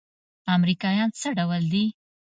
امريکايان څه ډول دي؟